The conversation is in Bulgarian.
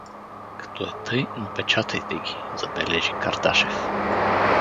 — Като е тъй, напечатайте ги — забележи Кардашев.